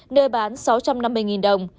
nơi bán sáu trăm năm mươi đồng